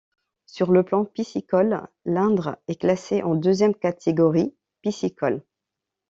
Sur le plan piscicole, l'Indre est classée en deuxième catégorie piscicole.